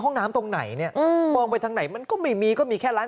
ห้องน้ำตรงไหนเนี่ยมองไปทางไหนมันก็ไม่มีก็มีแค่ร้าน